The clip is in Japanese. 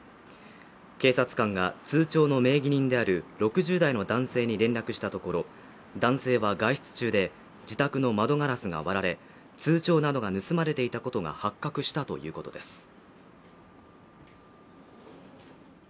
警察官が通帳の名義人である６０代の男性に連絡したところ男性は外出中で自宅の窓ガラスが割られ通帳などが盗まれていたことが発覚したということですお？